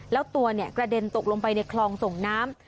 แล้วตัวกระเด็นตกลงไปในคลองส่งน้ำ